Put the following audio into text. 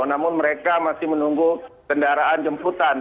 namun mereka masih menunggu kendaraan jemputan